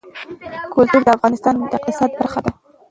کلتور د افغانستان د اقتصاد برخه ده.